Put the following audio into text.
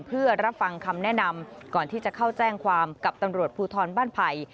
เพื่อรับฟังคำแนะนำก่อนที่จะเข้าแจ้งความกับตำรวจภูทรบ้านไผ่